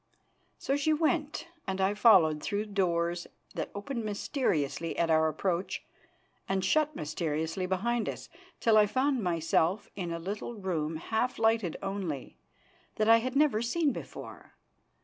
So she went and I followed through doors that opened mysteriously at our approach and shut mysteriously behind us, till I found myself in a little room half lighted only, that I had never seen before.